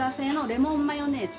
レモンマヨネーズ。